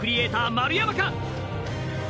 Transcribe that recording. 丸山か？